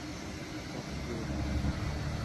Tant qu'il y aura...